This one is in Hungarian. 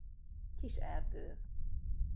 Kis erdő.